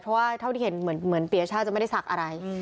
เพราะเท่าที่เห็นเหมือนเบียช่าจะไม่ได้สักอะไร